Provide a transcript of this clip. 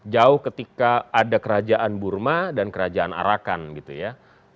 jauh ketika ada kerajaan burma dan kerajaan arakan gitu ya